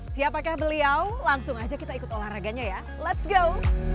siapakah beliau langsung aja kita ikut olahraganya ya let's go